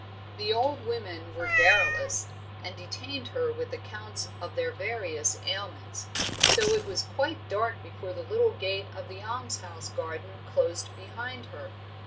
The old women were garrulous, and detained her with accounts of their various ailments, so it was quite dark before the little gate of the almshouse garden closed behind her.